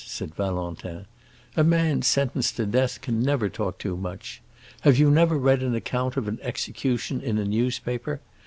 said Valentin; "a man sentenced to death can never talk too much. Have you never read an account of an execution in a newspaper?